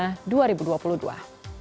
piala dunia dua ribu dua puluh dua